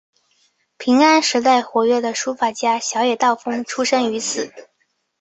平安时代活跃的书法家小野道风出身于此。